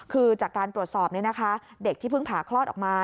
คือจากการตรวจสอบเด็กที่เพิ่งผ่าคลอดออกมา